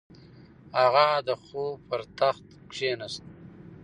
هغه د خوب پر تخت کیناست.